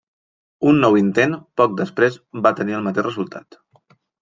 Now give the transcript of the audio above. Un nou intent poc després va tenir el mateix resultat.